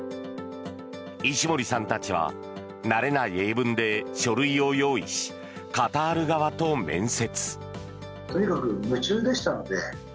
石森さんたちは慣れない英文で書類を用意しカタール側と面接。